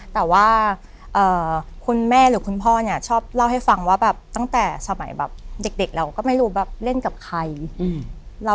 แต่ว่าคุณแม่หรือคุณพ่อเนี่ยชอบเล่าให้ฟังว่าแบบตั้งแต่สมัยแบบเด็กเราก็ไม่รู้แบบเล่นกับใคร